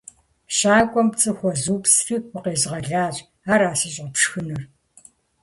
- Щакӏуэм пцӏы хуэзупсри, укъезгъэлащ. Ара сыщӏэпшхынур?